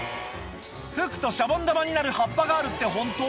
吹くとシャボン玉になる葉っぱがあるってホント？